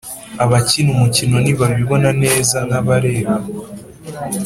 abakina umukino ntibabibona neza nkabareba